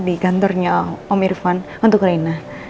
di kantornya om irvan untuk rena